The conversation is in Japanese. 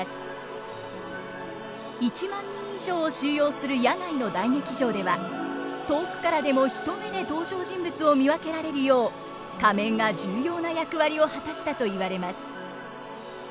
１万人以上を収容する野外の大劇場では遠くからでも一目で登場人物を見分けられるよう仮面が重要な役割を果たしたと言われます。